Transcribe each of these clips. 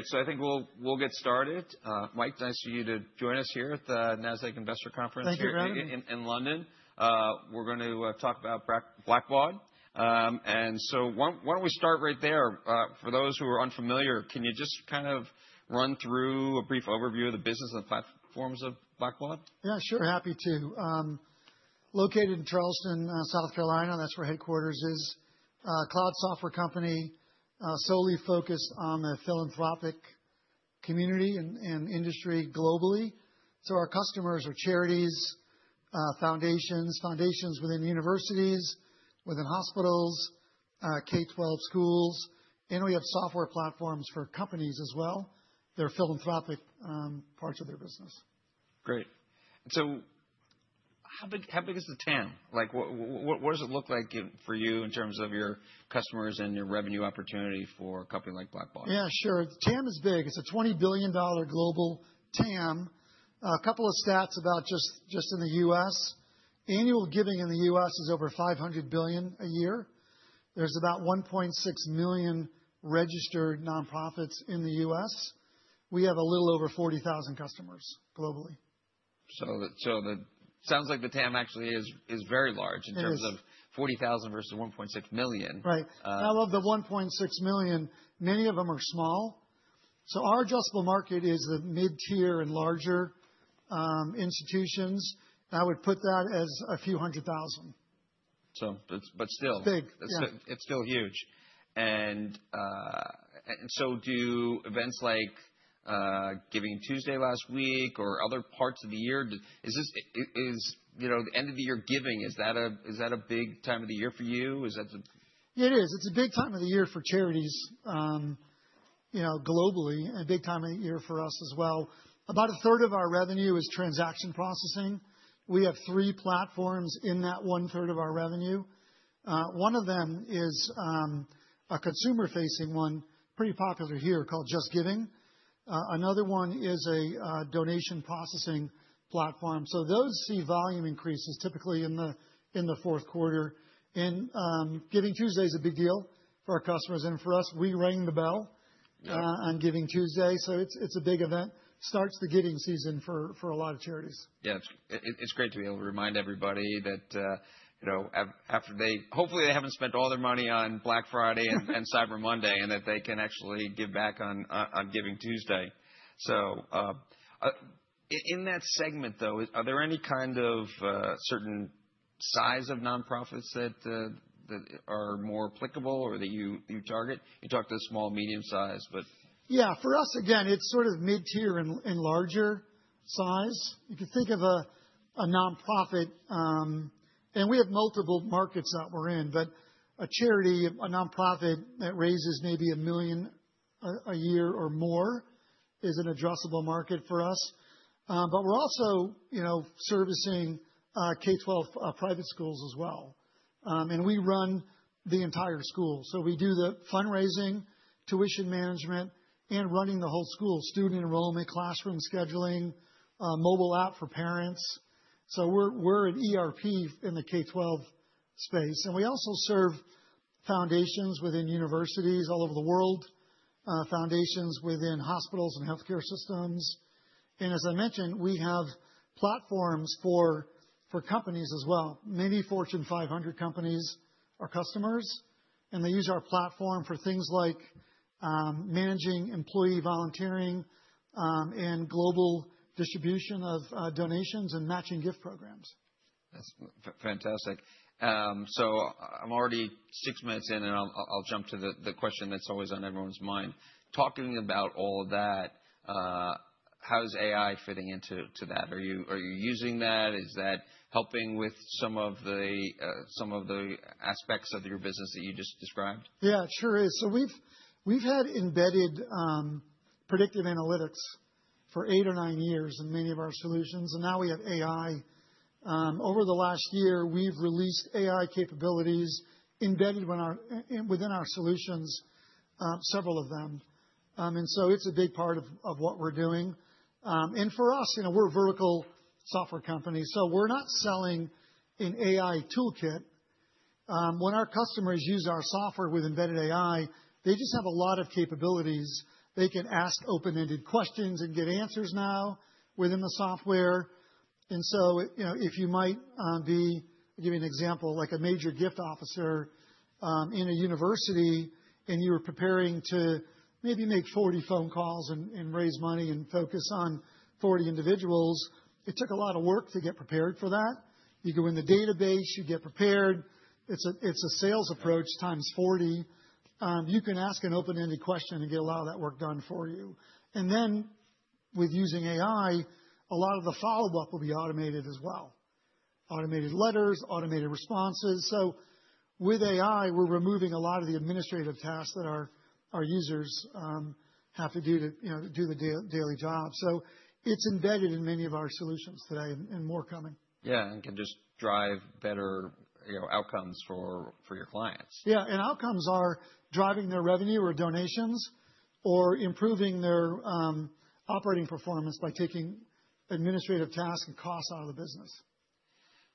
All right, so I think we'll get started. Mike, nice for you to join us here at the Nasdaq Investor Conference. Thank you, Rick. Here in London. We're going to talk about Blackbaud. And so why don't we start right there? For those who are unfamiliar, can you just kind of run through a brief overview of the business and the platforms of Blackbaud? Yeah, sure. Happy to. Located in Charleston, South Carolina, that's where headquarters is. Cloud software company, solely focused on the philanthropic community and industry globally. So our customers are charities, foundations, foundations within universities, within hospitals, K-12 schools. And we have software platforms for companies as well. Their philanthropic parts of their business. Great. And so how big is the TAM? Like, what does it look like for you in terms of your customers and your revenue opportunity for a company like Blackbaud? Yeah, sure. TAM is big. It's a $20 billion global TAM. A couple of stats about just in the U.S.: Annual giving in the U.S. is over $500 billion a year. There's about 1.6 million registered nonprofits in the U.S. We have a little over 40,000 customers globally. It sounds like the TAM actually is very large in terms of 40,000 versus 1.6 million. Right. I love the 1.6 million. Many of them are small. So our addressable market is the mid-tier and larger institutions. I would put that as a few hundred thousand. But still. It's big. It's still huge. And so, do events like Giving Tuesday last week or other parts of the year? Is the end of the year giving, is that a big time of the year for you? It is. It's a big time of the year for charities globally, a big time of the year for us as well. About a third of our revenue is transaction processing. We have three platforms in that one third of our revenue. One of them is a consumer-facing one, pretty popular here called JustGiving. Another one is a donation processing platform, so those see volume increases typically in the fourth quarter, and Giving Tuesday is a big deal for our customers. For us, we rang the bell on Giving Tuesday, so it's a big event. It starts the giving season for a lot of charities. Yeah, it's great to be able to remind everybody that hopefully they haven't spent all their money on Black Friday and Cyber Monday and that they can actually give back on Giving Tuesday. So in that segment, though, are there any kind of certain size of nonprofits that are more applicable or that you target? You talk to small, medium size, but. Yeah, for us, again, it's sort of mid-tier and larger size. You could think of a nonprofit, and we have multiple markets that we're in, but a charity, a nonprofit that raises maybe $1 million a year or more is an addressable market for us. But we're also servicing K-12 private schools as well. And we run the entire school. So we do the fundraising, tuition management, and running the whole school, student enrollment, classroom scheduling, mobile app for parents. So we're an ERP in the K-12 space. And we also serve foundations within universities all over the world, foundations within hospitals and healthcare systems. And as I mentioned, we have platforms for companies as well. Many Fortune 500 companies are customers, and they use our platform for things like managing employee volunteering and global distribution of donations and matching gift programs. That's fantastic. So I'm already six minutes in, and I'll jump to the question that's always on everyone's mind. Talking about all of that, how is AI fitting into that? Are you using that? Is that helping with some of the aspects of your business that you just described? Yeah, it sure is. So we've had embedded predictive analytics for eight or nine years in many of our solutions. And now we have AI. Over the last year, we've released AI capabilities embedded within our solutions, several of them. And so it's a big part of what we're doing. And for us, we're a vertical software company. So we're not selling an AI toolkit. When our customers use our software with embedded AI, they just have a lot of capabilities. They can ask open-ended questions and get answers now within the software. And so if you might be, I'll give you an example, like a major gift officer in a university, and you were preparing to maybe make 40 phone calls and raise money and focus on 40 individuals, it took a lot of work to get prepared for that. You go in the database, you get prepared. It's a sales approach times 40. You can ask an open-ended question and get a lot of that work done for you, and then with using AI, a lot of the follow-up will be automated as well. Automated letters, automated responses, so with AI, we're removing a lot of the administrative tasks that our users have to do to do the daily job, so it's embedded in many of our solutions today and more coming. Yeah, and can just drive better outcomes for your clients. Yeah, and outcomes are driving their revenue or donations or improving their operating performance by taking administrative tasks and costs out of the business.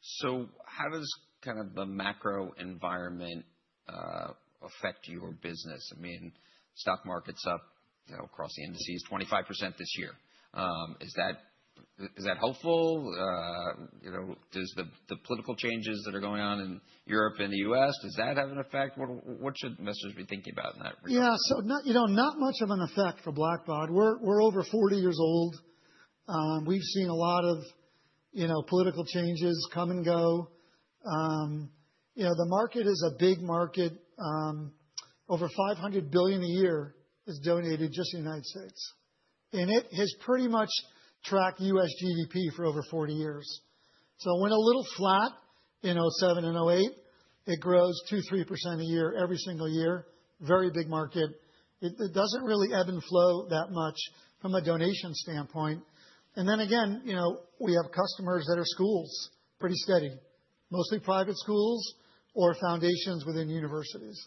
So how does kind of the macro environment affect your business? I mean, stock market's up across the indices 25% this year. Is that helpful? Does the political changes that are going on in Europe and the U.S., does that have an effect? What should investors be thinking about in that regard? Yeah, so not much of an effect for Blackbaud. We're over 40 years old. We've seen a lot of political changes come and go. The market is a big market. Over $500 billion a year is donated just in the United States, and it has pretty much tracked U.S. GDP for over 40 years, so it went a little flat in 2007 and 2008. It grows 2%, 3% a year every single year. Very big market. It doesn't really ebb and flow that much from a donation standpoint, and then again, we have customers that are schools, pretty steady, mostly private schools or foundations within universities.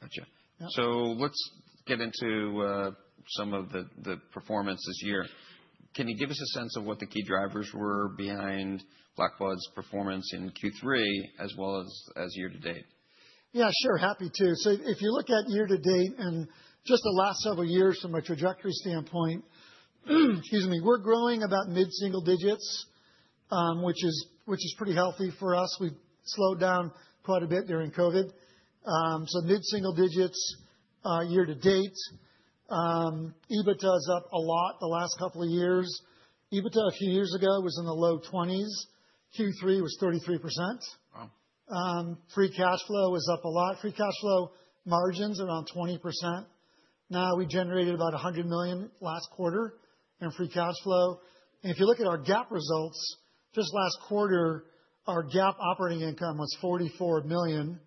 Gotcha. So let's get into some of the performance this year. Can you give us a sense of what the key drivers were behind Blackbaud's performance in Q3 as well as year to date? Yeah, sure. Happy to. So if you look at year to date and just the last several years from a trajectory standpoint, excuse me, we're growing about mid-single digits, which is pretty healthy for us. We've slowed down quite a bit during COVID. So mid-single digits year to date. EBITDA is up a lot the last couple of years. EBITDA a few years ago was in the low 20s. Q3 was 33%. Wow. Free cash flow was up a lot. Free cash flow margins around 20%. Now we generated about $100 million last quarter in free cash flow. And if you look at our GAAP results, just last quarter, our GAAP operating income was $44 million.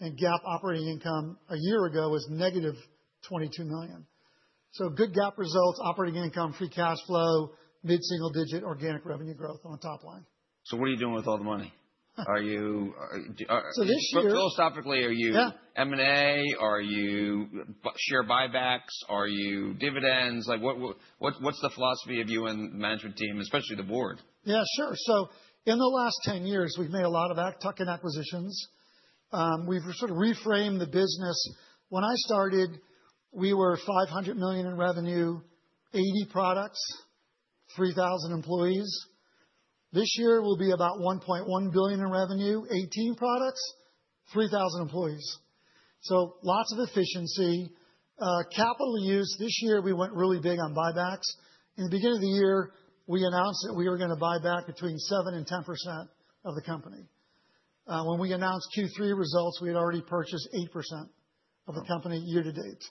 And GAAP operating income a year ago was negative $22 million. So good GAAP results, operating income, free cash flow, mid-single digit organic revenue growth on the top line. So what are you doing with all the money? This year. So philosophically, are you M&A? Are you share buybacks? Are you dividends? What's the philosophy of you and the management team, especially the board? Yeah, sure. So in the last 10 years, we've made a lot of tuck-in acquisitions. We've sort of reframed the business. When I started, we were $500 million in revenue, 80 products, 3,000 employees. This year will be about $1.1 billion in revenue, 18 products, 3,000 employees. So lots of efficiency. Capital use, this year we went really big on buybacks. In the beginning of the year, we announced that we were going to buy back between 7% and 10% of the company. When we announced Q3 results, we had already purchased 8% of the company year to date.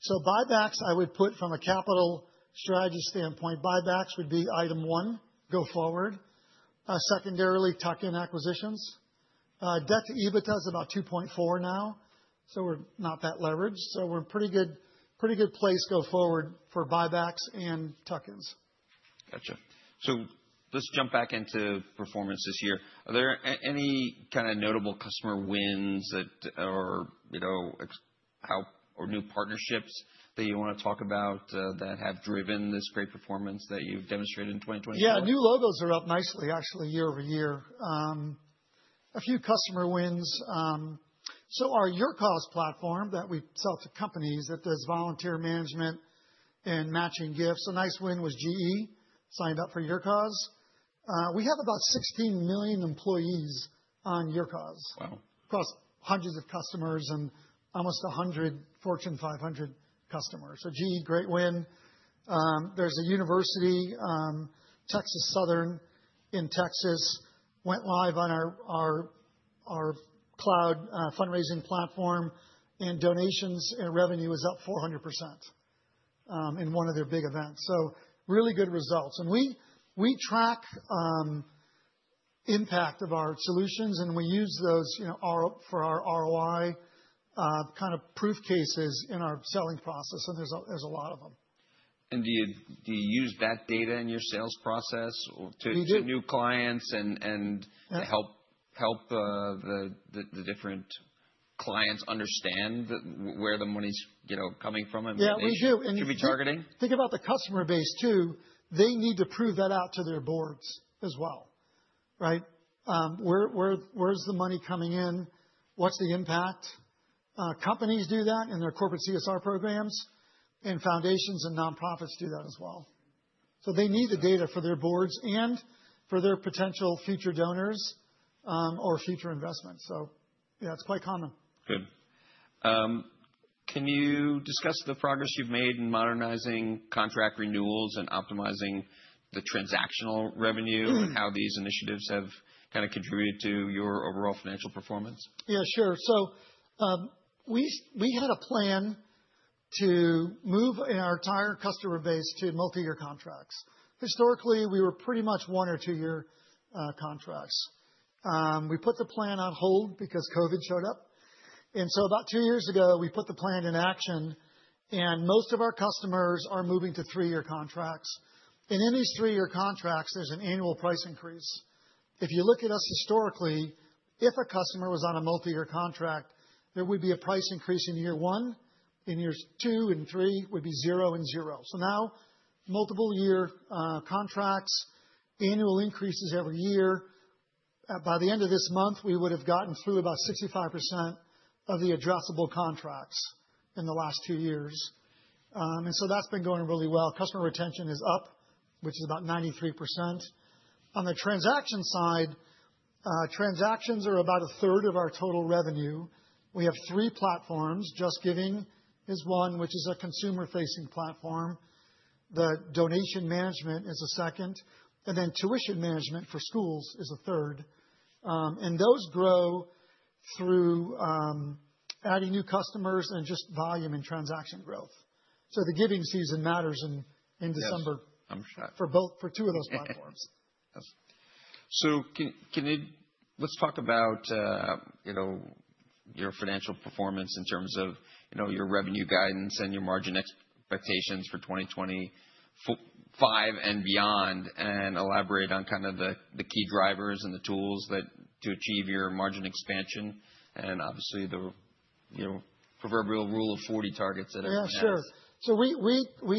So buybacks, I would put from a capital strategy standpoint, buybacks would be item one, go forward. Secondarily, tuck-in acquisitions. Debt to EBITDA is about 2.4 now. So we're not that leveraged. So we're in a pretty good place go forward for buybacks and tuck-ins. Gotcha. So let's jump back into performance this year. Are there any kind of notable customer wins or new partnerships that you want to talk about that have driven this great performance that you've demonstrated in 2024? Yeah, new logos are up nicely, actually, year over year. A few customer wins. So our YourCause platform that we sell to companies that does volunteer management and matching gifts. A nice win was GE signed up for YourCause. We have about 16 million employees on YourCause across hundreds of customers and almost 100 Fortune 500 customers. So GE, great win. There's a university, Texas Southern University in Texas, went live on our cloud fundraising platform, and donations and revenue was up 400% in one of their big events. So really good results. And we track impact of our solutions, and we use those for our ROI kind of proof cases in our selling process. And there's a lot of them. Do you use that data in your sales process to get new clients and to help the different clients understand where the money's coming from and should be targeting? Yeah, we do. And think about the customer base too. They need to prove that out to their boards as well. Right? Where's the money coming in? What's the impact? Companies do that in their corporate CSR programs, and foundations and nonprofits do that as well. So they need the data for their boards and for their potential future donors or future investments. So yeah, it's quite common. Good. Can you discuss the progress you've made in modernizing contract renewals and optimizing the transactional revenue and how these initiatives have kind of contributed to your overall financial performance? Yeah, sure, so we had a plan to move our entire customer base to multi-year contracts. Historically, we were pretty much one or two-year contracts. We put the plan on hold because COVID showed up, and so about two years ago, we put the plan in action, and most of our customers are moving to three-year contracts, and in these three-year contracts, there's an annual price increase. If you look at us historically, if a customer was on a multi-year contract, there would be a price increase in year one. In years two and three, it would be zero and zero, so now multiple-year contracts, annual increases every year. By the end of this month, we would have gotten through about 65% of the addressable contracts in the last two years, and so that's been going really well. Customer retention is up, which is about 93%. On the transaction side, transactions are about a third of our total revenue. We have three platforms. JustGiving is one, which is a consumer-facing platform. The donation management is a second, and then tuition management for schools is a third, and those grow through adding new customers and just volume and transaction growth, so the giving season matters in December for two of those platforms. So, let's talk about your financial performance in terms of your revenue guidance and your margin expectations for 2025 and beyond, and elaborate on kind of the key drivers and the tools to achieve your margin expansion, and obviously the proverbial Rule of 40 targets that everyone has. Yeah, sure. So we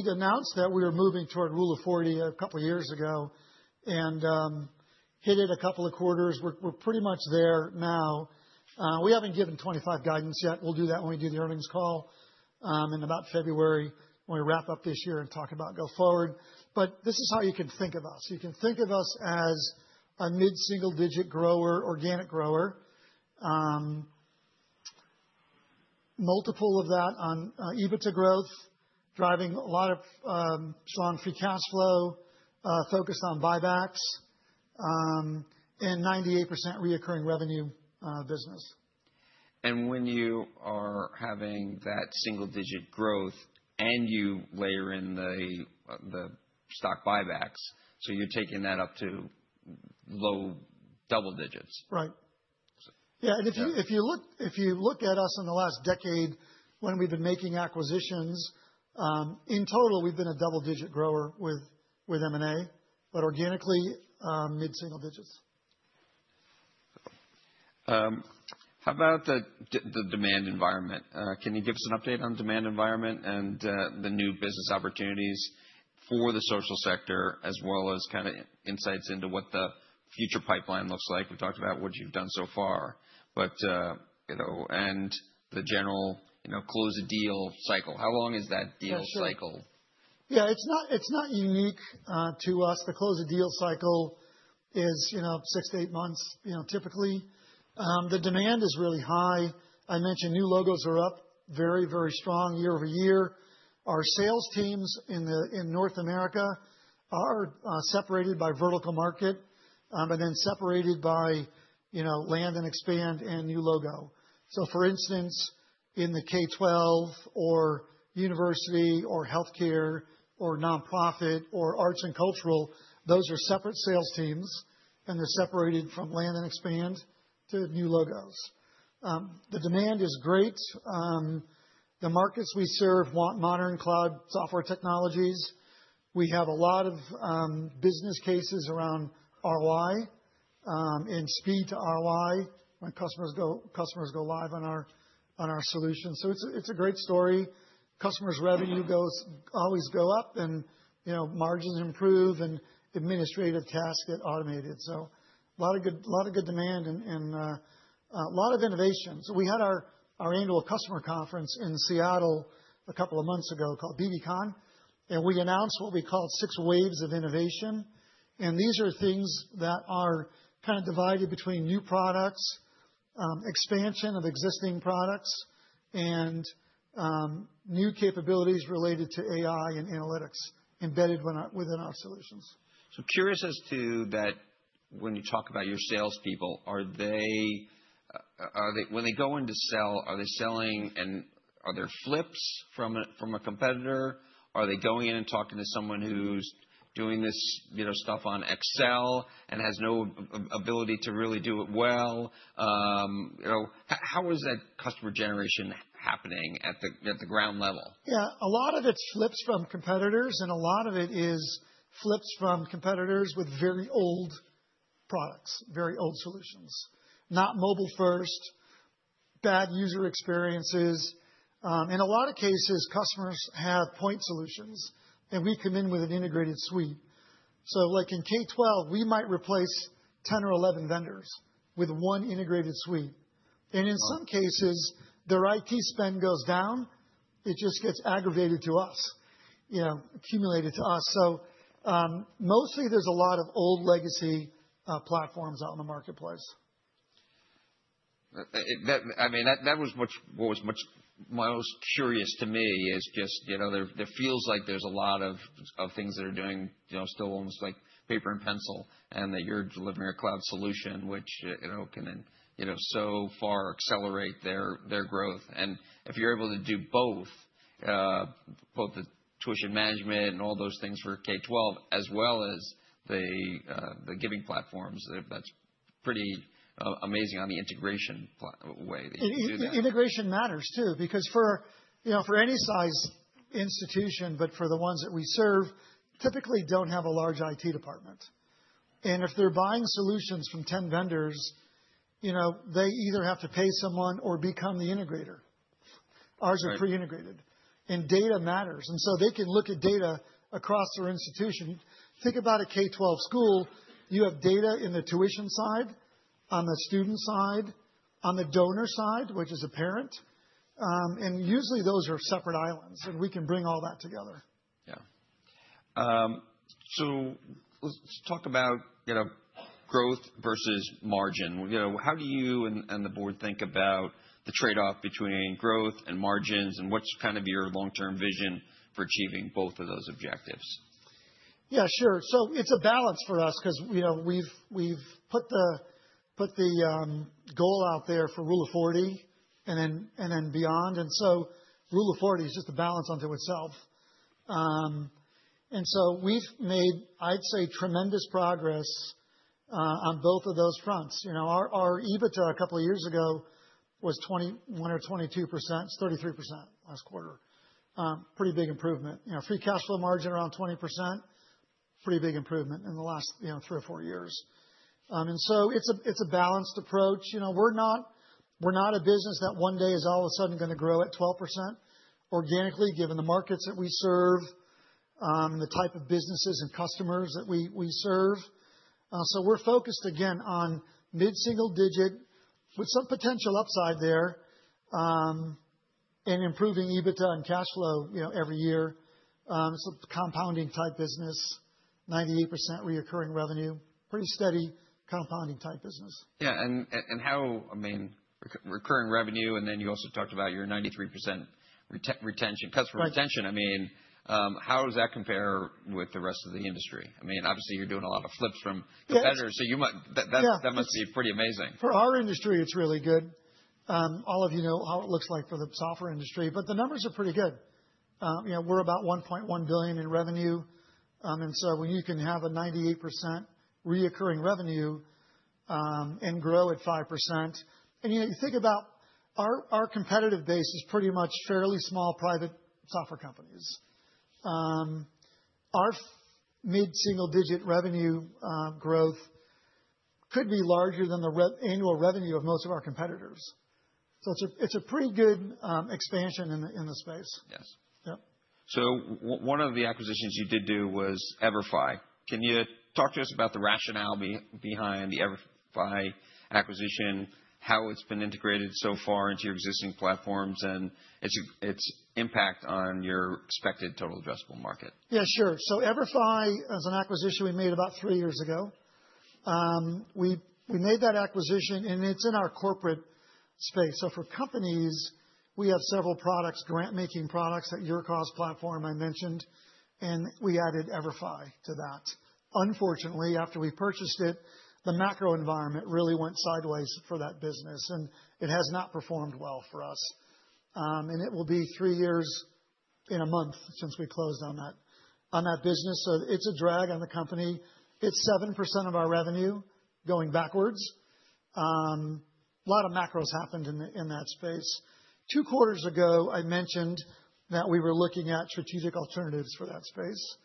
announced that we were moving toward Rule of 40 a couple of years ago and hit it a couple of quarters. We're pretty much there now. We haven't given 25 guidance yet. We'll do that when we do the earnings call in about February when we wrap up this year and talk about go forward. But this is how you can think of us. You can think of us as a mid-single digit grower, organic grower. Multiple of that on EBITDA growth, driving a lot of strong Free Cash Flow, focused on buybacks, and 98% recurring revenue business. When you are having that single digit growth and you layer in the stock buybacks, so you're taking that up to low double digits. Right. Yeah, and if you look at us in the last decade when we've been making acquisitions, in total, we've been a double digit grower with M&A, but organically mid-single digits. How about the demand environment? Can you give us an update on demand environment and the new business opportunities for the social sector as well as kind of insights into what the future pipeline looks like? We've talked about what you've done so far, but the general close of deal cycle. How long is that deal cycle? Yeah, it's not unique to us. The close of deal cycle is six to eight months typically. The demand is really high. I mentioned new logos are up very, very strong year over year. Our sales teams in North America are separated by vertical market and then separated by land and expand and new logo, so for instance, in the K-12 or university or healthcare or nonprofit or arts and cultural, those are separate sales teams and they're separated from land and expand to new logos. The demand is great. The markets we serve want modern cloud software technologies. We have a lot of business cases around ROI and speed to ROI when customers go live on our solution, so it's a great story. Customers' revenue always go up and margins improve and administrative tasks get automated, so a lot of good demand and a lot of innovation. So we had our annual customer conference in Seattle a couple of months ago called bbcon, and we announced what we called six waves of innovation, and these are things that are kind of divided between new products, expansion of existing products, and new capabilities related to AI and analytics embedded within our solutions. So, curious as to that: when you talk about your salespeople, when they go in to sell, are they selling, and are there flips from a competitor? Are they going in and talking to someone who's doing this stuff on Excel and has no ability to really do it well? How is that customer generation happening at the ground level? Yeah, a lot of it's flips from competitors, and a lot of it is flips from competitors with very old products, very old solutions, not mobile-first, bad user experiences. In a lot of cases, customers have point solutions, and we come in with an integrated suite. So like in K-12, we might replace 10 or 11 vendors with one integrated suite, and in some cases, their IT spend goes down. It just gets aggregated to us, accumulated to us, so mostly there's a lot of old legacy platforms out in the marketplace. I mean, that was what was most curious to me is just there feels like there's a lot of things that are doing still almost like paper and pencil and that you're delivering a cloud solution, which can so far accelerate their growth. And if you're able to do both, both the tuition management and all those things for K-12 as well as the giving platforms, that's pretty amazing on the integration way that you do that. Integration matters too because for any size institution, but for the ones that we serve, typically don't have a large IT department, and if they're buying solutions from 10 vendors, they either have to pay someone or become the integrator. Ours are pre-integrated, and data matters, and so they can look at data across their institution. Think about a K-12 school. You have data in the tuition side, on the student side, on the donor side, which is a parent, and usually those are separate islands and we can bring all that together. Yeah. So let's talk about growth versus margin. How do you and the board think about the trade-off between growth and margins and what's kind of your long-term vision for achieving both of those objectives? Yeah, sure. So it's a balance for us because we've put the goal out there for Rule of 40 and then beyond, and so Rule of 40 is just a balance unto itself, and so we've made, I'd say, tremendous progress on both of those fronts. Our EBITDA a couple of years ago was 21% or 22%. It's 33% last quarter. Pretty big improvement. Free cash flow margin around 20%. Pretty big improvement in the last three or four years, and so it's a balanced approach. We're not a business that one day is all of a sudden going to grow at 12% organically given the markets that we serve and the type of businesses and customers that we serve, so we're focused again on mid-single digit with some potential upside there and improving EBITDA and cash flow every year. It's a compounding type business, 98% recurring revenue, pretty steady compounding type business. Yeah. And how, I mean, recurring revenue and then you also talked about your 93% customer retention. I mean, how does that compare with the rest of the industry? I mean, obviously you're doing a lot of flips from competitors. So that must be pretty amazing. For our industry, it's really good. All of you know how it looks like for the software industry, but the numbers are pretty good. We're about $1.1 billion in revenue, and so when you can have a 98% recurring revenue and grow at 5%, and you think about our competitive base is pretty much fairly small private software companies. Our mid-single digit revenue growth could be larger than the annual revenue of most of our competitors. So it's a pretty good expansion in the space. Yes. So one of the acquisitions you did do was EVERFI. Can you talk to us about the rationale behind the EVERFI acquisition, how it's been integrated so far into your existing platforms and its impact on your expected total addressable market? Yeah, sure. EVERFI as an acquisition we made about three years ago. We made that acquisition and it's in our corporate space. For companies, we have several products, grant-making products, YourCause platform I mentioned, and we added EVERFI to that. Unfortunately, after we purchased it, the macro environment really went sideways for that business and it has not performed well for us. It will be three years in a month since we closed on that business. It's a drag on the company. It's 7% of our revenue going backwards. A lot of macros happened in that space. Two quarters ago, I mentioned that we were looking at strategic alternatives for that space.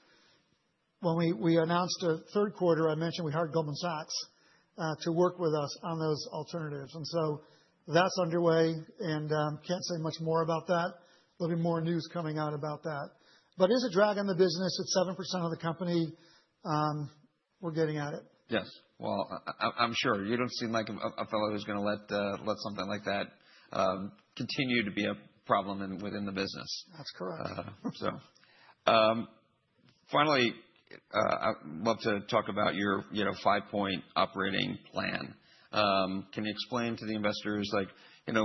When we announced a third quarter, I mentioned we hired Goldman Sachs to work with us on those alternatives. That's underway and I can't say much more about that. There'll be more news coming out about that. But it's a drag on the business. It's 7% of the company. We're getting at it. Yes. Well, I'm sure you don't seem like a fellow who's going to let something like that continue to be a problem within the business. That's correct. Finally, I'd love to talk about your five-point operating plan. Can you explain to the investors, can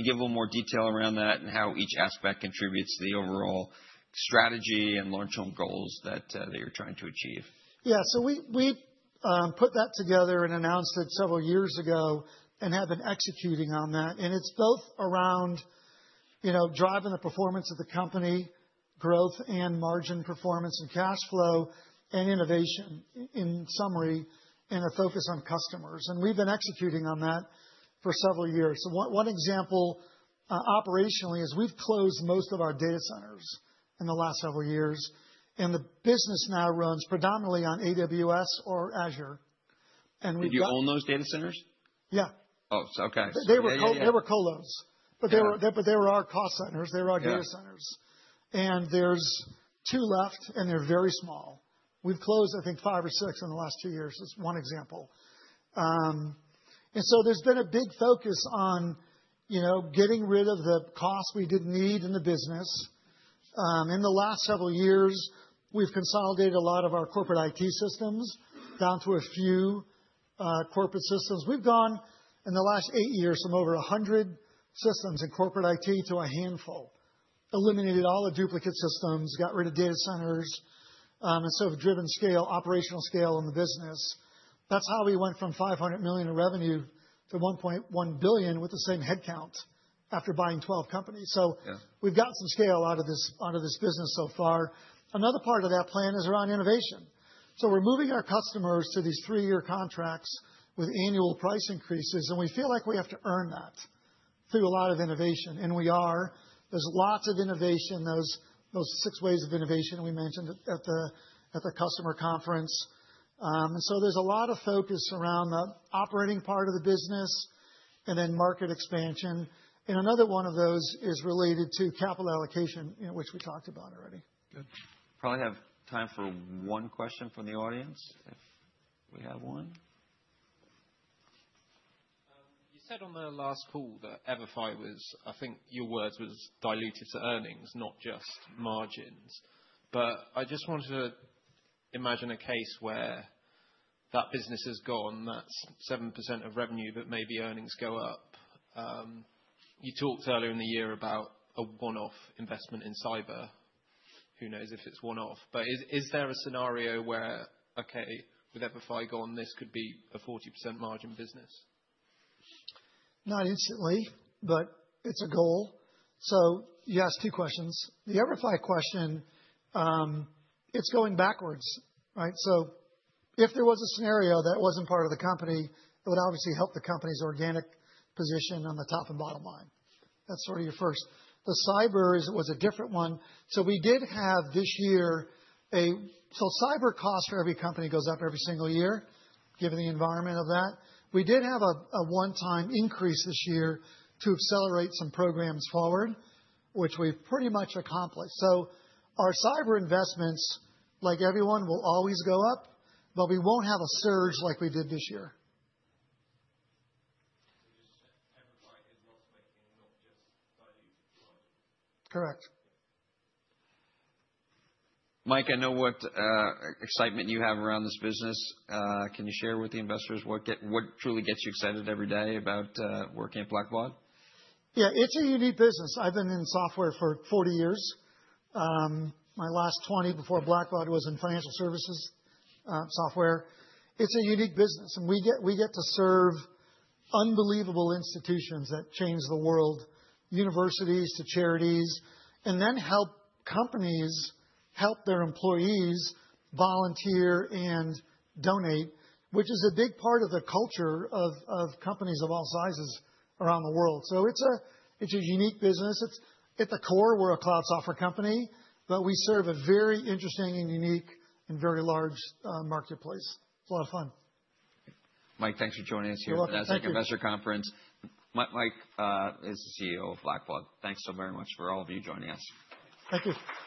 you give a little more detail around that and how each aspect contributes to the overall strategy and long-term goals that you're trying to achieve? Yeah. So we put that together and announced it several years ago and have been executing on that. And it's both around driving the performance of the company, growth and margin performance and cash flow and innovation, in summary, and a focus on customers. And we've been executing on that for several years. So one example operationally is we've closed most of our data centers in the last several years. And the business now runs predominantly on AWS or Azure. Do you own those data centers? Yeah. Oh, okay. They were colos, but they were our cost centers. They were our data centers, and there's two left and they're very small. We've closed, I think, five or six in the last two years. That is one example. So there has been a big focus on getting rid of the costs we didn't need in the business. In the last several years, we've consolidated a lot of our corporate IT systems down to a few corporate systems. We've gone in the last eight years from over 100 systems in corporate IT to a handful, eliminated all the duplicate systems, got rid of data centers, and so have driven scale, operational scale in the business. That is how we went from $500 million in revenue to $1.1 billion with the same headcount after buying 12 companies. We've gotten some scale out of this business so far. Another part of that plan is around innovation. So we're moving our customers to these three-year contracts with annual price increases, and we feel like we have to earn that through a lot of innovation. And we are. There's lots of innovation, those six ways of innovation we mentioned at the customer conference. And so there's a lot of focus around the operating part of the business and then market expansion. And another one of those is related to capital allocation, which we talked about already. Good. Probably have time for one question from the audience if we have one. You said on the last call that EVERFI was, I think your words was diluted to earnings, not just margins. But I just want to imagine a case where that business has gone, that's 7% of revenue, but maybe earnings go up. You talked earlier in the year about a one-off investment in cyber. Who knows if it's one-off? But is there a scenario where, okay, with EVERFI gone, this could be a 40% margin business? Not instantly, but it's a goal. So you asked two questions. The EVERFI question, it's going backwards, right? So if there was a scenario that wasn't part of the company, it would obviously help the company's organic position on the top and bottom line. That's sort of your first. The cyber was a different one. So we did have this year a, so cyber cost for every company goes up every single year given the environment of that. We did have a one-time increase this year to accelerate some programs forward, which we've pretty much accomplished. So our cyber investments, like everyone, will always go up, but we won't have a surge like we did this year. Correct. Mike, I know what excitement you have around this business. Can you share with the investors what truly gets you excited every day about working at Blackbaud? Yeah, it's a unique business. I've been in software for 40 years. My last 20 before Blackbaud was in financial services software. It's a unique business. And we get to serve unbelievable institutions that change the world, universities to charities, and then help companies help their employees volunteer and donate, which is a big part of the culture of companies of all sizes around the world. So it's a unique business. At the core, we're a cloud software company, but we serve a very interesting and unique and very large marketplace. It's a lot of fun. Mike, thanks for joining us here at the Nasdaq Investor Conference. Mike is the CEO of Blackbaud. Thanks so very much for all of you joining us. Thank you.